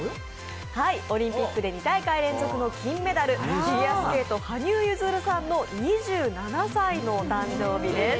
オリンピックで２大会連続の金メダル、フィギュアスケート、羽生結弦選手の誕生日なんです。